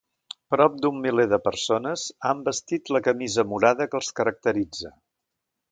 Prop d'un miler de persones han vestit la camisa morada que els caracteritza.